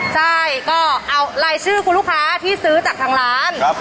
ใช่ก็เอารายชื่อคุณลูกค้าที่ซื้อจากทางร้าน